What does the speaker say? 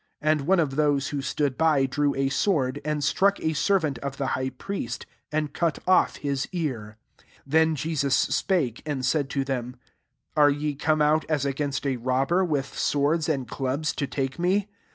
47 And one of those who stood by drew a sword, and struck a servant of the high priest, and cut off his ear. 48 Then Jesus spake, and said to them, <<Are ye come out as against a robber, with swords and clubs, to take me